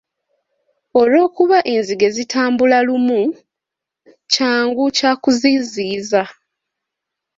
Olw'okuba enzige zitambula lumu, kyangu kya kuziziyiza.